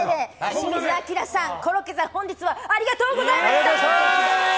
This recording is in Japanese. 清水さん、コロッケさん本日はありがとうございました。